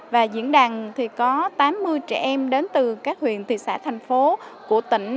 và diễn đàn có tám mươi trẻ em đến từ các huyện thị xã thành phố của tỉnh